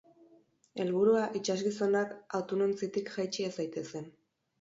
Helburua, itsasgizonak atunontzitik jaitsi ez daitezen.